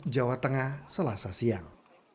jawa tengah selasa siang